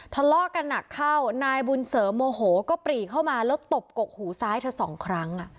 ทะเลาะกันหนักเข้านายบุญเสริมโมโหก็ปรีเข้ามาแล้วตบกกหูซ้ายเธอสองครั้ง